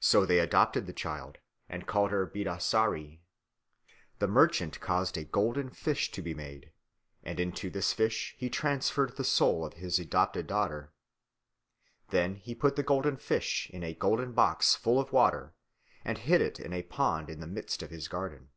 So they adopted the child and called her Bidasari. The merchant caused a golden fish to be made, and into this fish he transferred the soul of his adopted daughter. Then he put the golden fish in a golden box full of water, and hid it in a pond in the midst of his garden.